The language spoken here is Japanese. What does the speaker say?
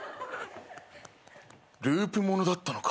ループものだったのか。